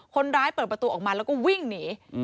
คนร้ายเปิดประตูออกมาแล้วก็วิ่งหนี